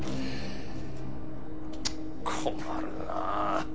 困るな。